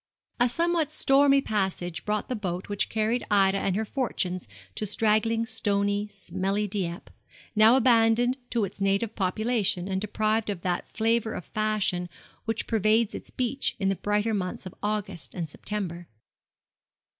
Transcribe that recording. A somewhat stormy passage brought the boat which carried Ida and her fortunes to straggling, stony, smelly Dieppe, now abandoned to its native population, and deprived of that flavour of fashion which pervades its beach in the brighter months of August and September.